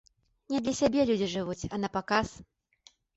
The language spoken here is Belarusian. Не для сябе людзі жывуць, а напаказ.